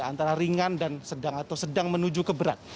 antara ringan dan sedang atau sedang menuju ke berat